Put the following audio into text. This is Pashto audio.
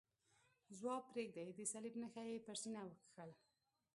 ځواب پرېږدئ، د صلیب نښه یې پر سینه وکښل.